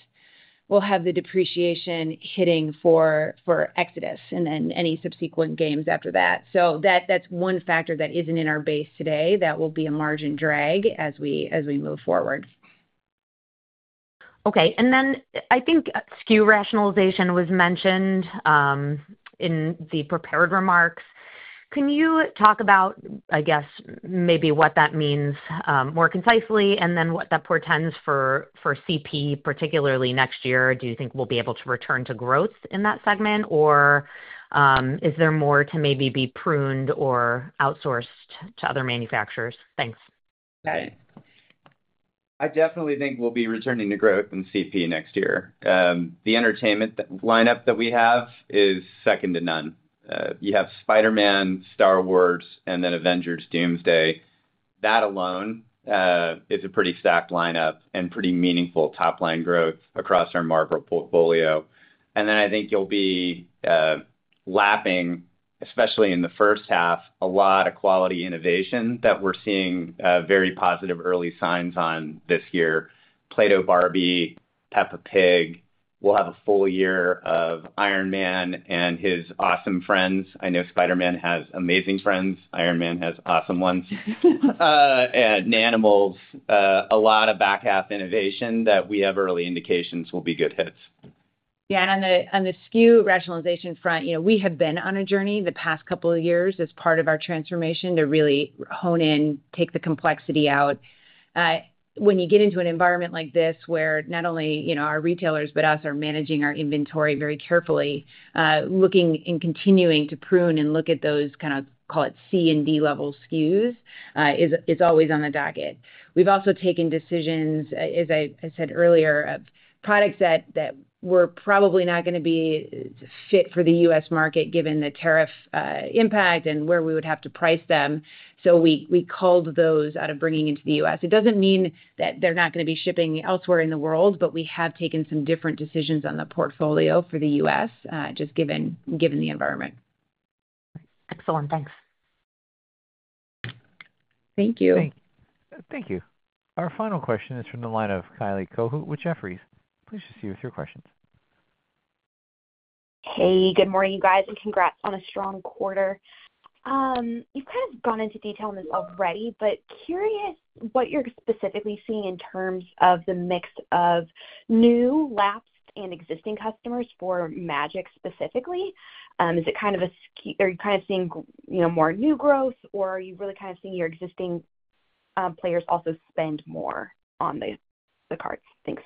we'll have the depreciation hitting for EXODUS and then any subsequent games after that. That is one factor that is not in our base today that will be a margin drag as we move forward. Okay. I think SKU rationalization was mentioned in the prepared remarks. Can you talk about, I guess, maybe what that means more concisely and then what that portends for CP, particularly next year? Do you think we'll be able to return to growth in that segment, or is there more to maybe be pruned or outsourced to other manufacturers? Thanks. Got it. I definitely think we'll be returning to growth in CP next year. The entertainment lineup that we have is second to none. You have Spider-Man, Star Wars, and then Avengers: Doomsday. That alone is a pretty stacked lineup and pretty meaningful top-line growth across our Marvel portfolio. I think you'll be lapping, especially in the first half, a lot of quality innovation that we're seeing very positive early signs on this year. Play-Doh Barbie, Peppa Pig. We'll have a full year of Iron Man and his awesome friends. I know Spider-Man has amazing friends. Iron Man has awesome ones. And animals. A lot of back half innovation that we have early indications will be good hits. Yeah. On the SKU rationalization front, we have been on a journey the past couple of years as part of our transformation to really hone in, take the complexity out. When you get into an environment like this where not only our retailers, but us are managing our inventory very carefully, looking and continuing to prune and look at those kind of, call it C and D level SKUs is always on the docket. We have also taken decisions, as I said earlier, of products that were probably not going to be fit for the U.S. market given the tariff impact and where we would have to price them. We culled those out of bringing into the U.S. It does not mean that they are not going to be shipping elsewhere in the world, but we have taken some different decisions on the portfolio for the U.S. just given the environment. Excellent. Thanks. Thank you. Thank you. Our final question is from the line of Kylie Cohu with Jefferies. Please proceed with your questions. Hey, good morning, you guys, and congrats on a strong quarter. You've kind of gone into detail on this already, but curious what you're specifically seeing in terms of the mix of new, lapsed, and existing customers for Magic specifically. Is it kind of a skew, or are you kind of seeing more new growth, or are you really kind of seeing your existing players also spend more on the cards? Thanks.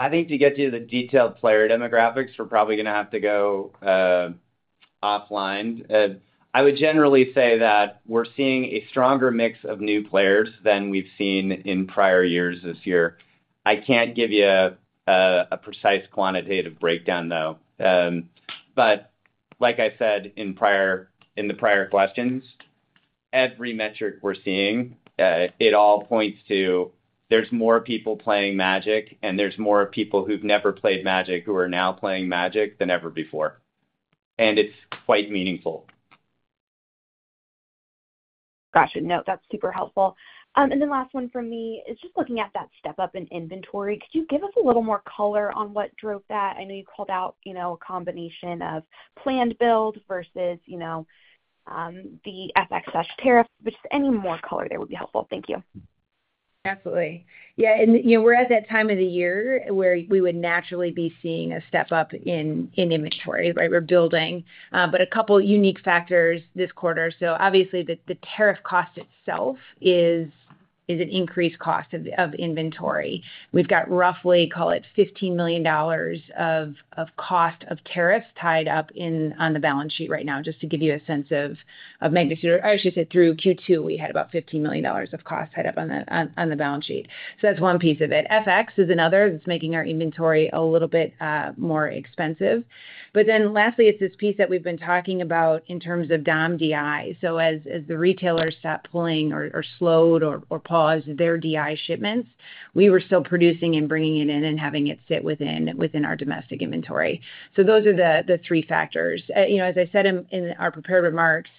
I think to get to the detailed player demographics, we're probably going to have to go offline. I would generally say that we're seeing a stronger mix of new players than we've seen in prior years this year. I can't give you a precise quantitative breakdown, though. Like I said in the prior questions, every metric we're seeing, it all points to there's more people playing Magic, and there's more people who've never played Magic who are now playing Magic than ever before. It is quite meaningful. Gotcha. No, that's super helpful. Then last one for me is just looking at that step-up in inventory. Could you give us a little more color on what drove that? I know you called out a combination of planned build versus the FX/tariff, but just any more color there would be helpful. Thank you. Absolutely. Yeah. We are at that time of the year where we would naturally be seeing a step-up in inventory, right? We are building. A couple of unique factors this quarter. Obviously, the tariff cost itself is an increased cost of inventory. We have roughly, call it, $15 million of cost of tariffs tied up on the balance sheet right now, just to give you a sense of magnitude. Or I should say through Q2, we had about $15 million of cost tied up on the balance sheet. That is one piece of it. FX is another that is making our inventory a little bit more expensive. Lastly, it is this piece that we have been talking about in terms of DOM DI. As the retailers stopped pulling or slowed or paused their DI shipments, we were still producing and bringing it in and having it sit within our domestic inventory. Those are the three factors. As I said in our prepared remarks,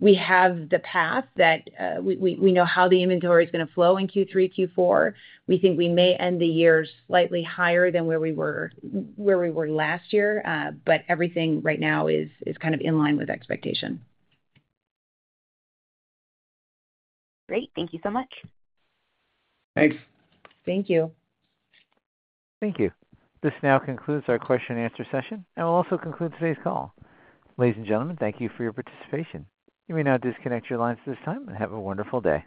we have the path that we know how the inventory is going to flow in Q3, Q4. We think we may end the year slightly higher than where we were last year, but everything right now is kind of in line with expectation. Great. Thank you so much. Thanks. Thank you. Thank you. This now concludes our question-and-answer session, and we'll also conclude today's call. Ladies and gentlemen, thank you for your participation. You may now disconnect your lines at this time and have a wonderful day.